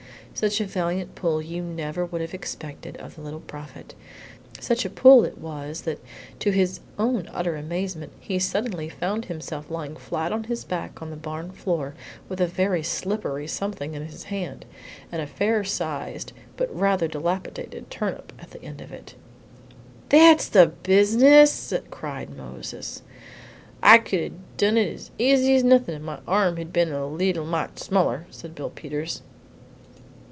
Such a valiant pull you would never have expected of the Little Prophet. Such a pull it was that, to his own utter amazement, he suddenly found himself lying flat on his back on the barn floor with a very slippery something in his hand, and a fair sized but rather dilapidated turnip at the end of it. "That's the business!" cried Moses. "I could 'a' done it as easy as nothin' if my arm had been a leetle mite smaller," said Bill Peters.